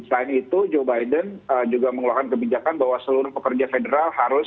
selain itu joe biden juga mengeluarkan kebijakan bahwa seluruh pekerja federal harus